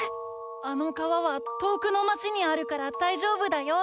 あの川は遠くの町にあるからだいじょうぶだよ。